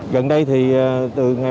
gần đây thì từ ngày một